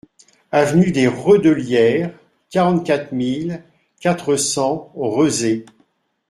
Avenue des Redellières, quarante-quatre mille quatre cents Rezé